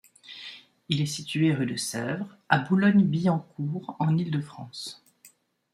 Il est situé rue de Sèvres, à Boulogne-Billancourt, en Île-de-France.